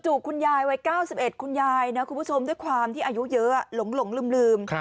คุณยายวัย๙๑คุณยายนะคุณผู้ชมด้วยความที่อายุเยอะหลงลืม